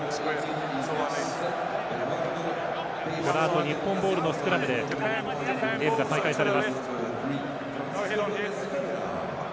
このあと日本ボールのスクラムでゲームが再開されます。